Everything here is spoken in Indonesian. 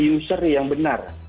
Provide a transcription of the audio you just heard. user yang benar